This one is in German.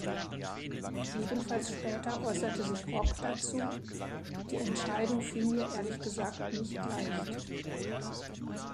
Ebenfalls später äußerte sich Rock dazu: "„Die Entscheidung fiel mir ehrlich gesagt nicht leicht.